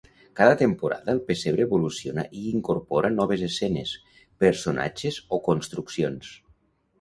Cada temporada el pessebre evoluciona i incorpora noves escenes, personatges o construccions.